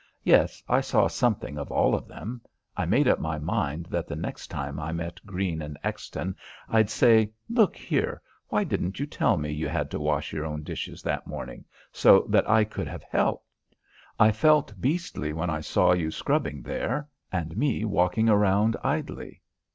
Yes, I saw something of all of them. I made up my mind that the next time I met Greene and Exton I'd say: "Look here; why didn't you tell me you had to wash your own dishes that morning so that I could have helped? I felt beastly when I saw you scrubbing there. And me walking around idly."